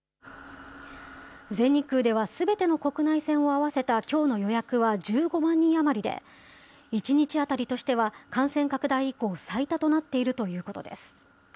全日空では、すべての国内線を合わせたきょうの予約は１５万人余りで、１日当たりとしては感染拡大以降、最多となっているということです。